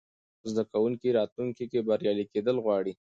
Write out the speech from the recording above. زده کوونکي راتلونکې کې بریالي کېدل غواړي.